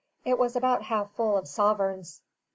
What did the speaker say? It was about half full of sovereigns.